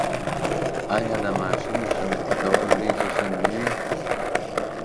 آیا د ماشوم سنتي کول لوی جشن نه وي؟